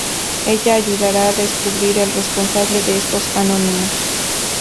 Ella ayudará a descubrir al responsable de estos anónimos.